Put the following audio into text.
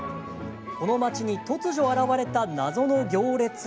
この町に突如現れた謎の行列。